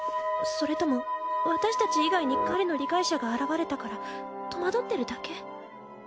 それとも私たち以外に彼の理解者が現れたから戸惑ってるだけ？